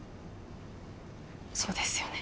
そうですよね。